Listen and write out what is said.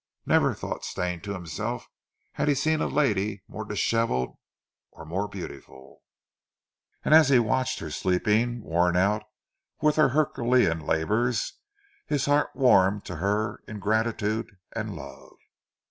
Never, thought Stane to himself, had he seen a lady more dishevelled or more beautiful, and as he watched her sleeping, worn out with her herculean labours, his heart warmed to her in gratitude and love.